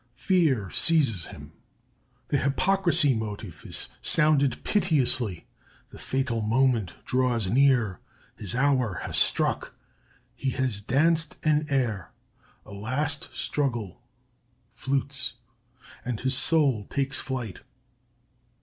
Fear seizes him. The Hypocrisy motive is sounded piteously; the fatal moment draws near; his hour has struck!... He has danced in air. A last struggle (flutes), and his soul takes flight.